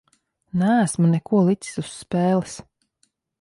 Neesmu neko licis uz spēles.